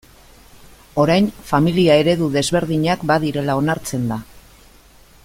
Orain familia eredu desberdinak badirela onartzen da.